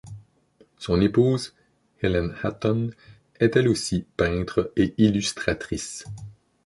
Son épouse, Helen Hatton, est elle aussi peintre et illustratrice.